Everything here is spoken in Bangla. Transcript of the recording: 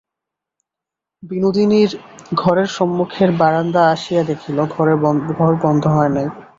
বিনোদিনীর ঘরের সম্মুখের বারান্দায় আসিয়া দেখিল, ঘর বন্ধ হয় নাই।